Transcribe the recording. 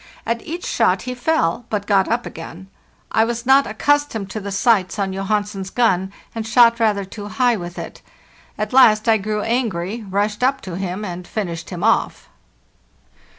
At each shot he fell, but got up again. I was not accustomed to the sights on Johansen's gun, and shot rather too high with it. At last I grew angry, rushed up to him, and finished him off."